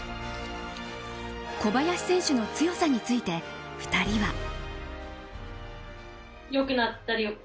小林選手の強さについて２人は。